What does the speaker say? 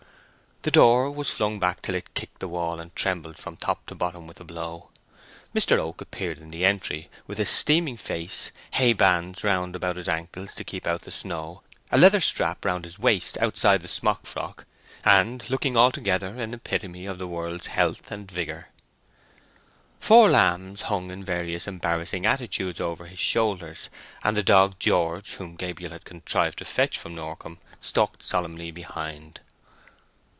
The door was flung back till it kicked the wall and trembled from top to bottom with the blow. Mr. Oak appeared in the entry with a steaming face, hay bands wound about his ankles to keep out the snow, a leather strap round his waist outside the smock frock, and looking altogether an epitome of the world's health and vigour. Four lambs hung in various embarrassing attitudes over his shoulders, and the dog George, whom Gabriel had contrived to fetch from Norcombe, stalked solemnly behind.